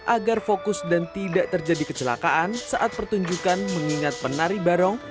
agar fokus dan tidak terjadi kecelakaan saat pertunjukan mengingat penari barong